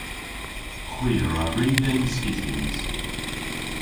Hwi a wra ri dhymm skityans.